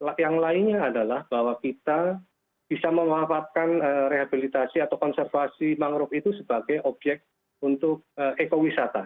di satu sisi yang lainnya adalah bahwa kita bisa menguapkan rehabilitasi atau konservasi mangrove itu sebagai objek untuk ekowisata